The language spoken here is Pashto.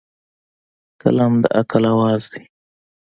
قلم د عقل اواز دی.